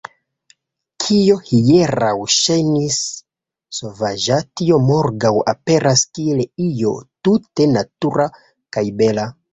Kio hieraŭ ŝajnis sovaĝa, tio morgaŭ aperas kiel io tute natura kaj bela.